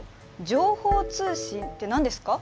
「情報通信」って何ですか？